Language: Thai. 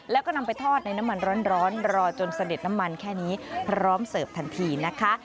แล้วก็นำไปทอดในน้ำมันร้อนรอจนเสด็จน้ำมันแค่นี้พร้อมเสิร์ฟทันทีนะคะ